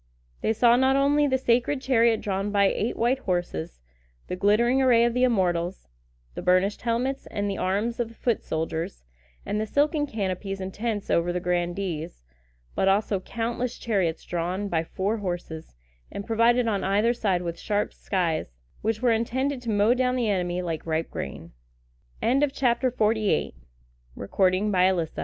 They saw not only the sacred chariot drawn by eight white horses, the glittering array of the Immortals, the burnished helmets and arms of the foot soldiers, and the silken canopies and tents over the grandees, but also countless chariots drawn by four horses, and provided on either side with sharp scythes, which were intended to mow down the enemy like ripe grain. [Illustration: Crossing the Hellespont.] Besides thes